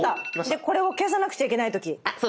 でこれを消さなくちゃいけない時。